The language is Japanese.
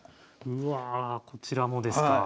うわこちらもですか。